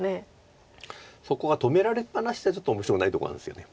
そこが止められっぱなしじゃちょっと面白くないとこなんですよね